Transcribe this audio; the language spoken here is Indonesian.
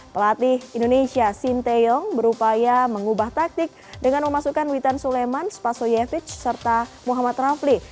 pelatih indonesia sinteyong berupaya mengubah taktik dengan memasukkan witan suleman spaso yevic serta muhammad rafli